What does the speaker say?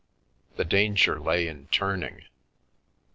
The danger lay in turning.